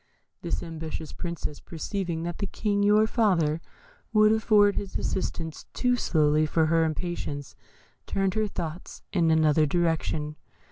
"This ambitious Princess, perceiving that the King, your father, would afford his assistance too slowly for her impatience, turned her thoughts in another direction.